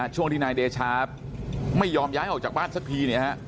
ช่วงที่นายเดชาไม่ยอมย้ายออกจากบ้านสักที